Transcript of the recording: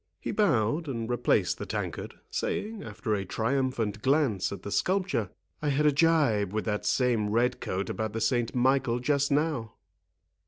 He bowed, and replaced the tankard, saying, after a triumphant glance at the sculpture, "I had a gibe with that same red coat about the Saint Michael just now."